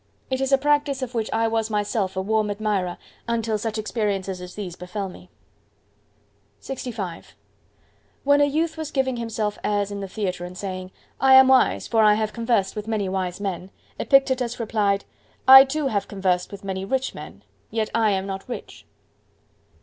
It is a practice of which I was myself a warm admirer until such experiences as these befell me. LXV When a youth was giving himself airs in the Theatre and saying, "I am wise, for I have conversed with many wise men," Epictetus replied, "I too have conversed with many rich men, yet I am not rich!"